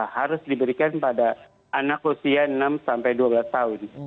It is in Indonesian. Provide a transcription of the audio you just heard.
harus diberikan pada anak usia enam sampai dua belas tahun